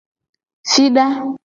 Fida.